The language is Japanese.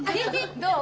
どう？